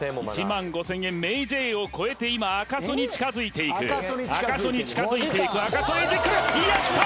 １万５０００円ＭａｙＪ．を超えて今赤楚に近づいていく赤楚に近づいていくいやきた！